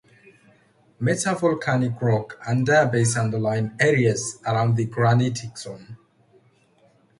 Metavolcanic rock and diabase underlie areas around the granitic zone.